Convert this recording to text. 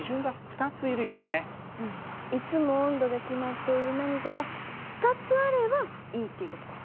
いつも温度が決まっている何かが２つあればいいっていう事か。